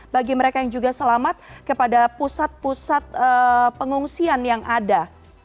bagi mereka yang juga selamat kepada pusat pusat pengungsian yang ada